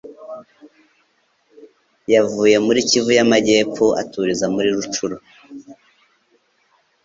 yavuye muri Kivu y'amajyepfo aturiza muri Rutshuro